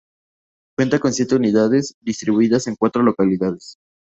Cuenta con siete unidades, distribuidas en cuatro localidades.